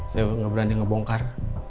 saya gak berani ngebongkar